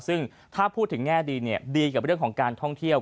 ซึ่งถ้าพูดถึงแง่ดีดีกับเรื่องของการท่องเที่ยว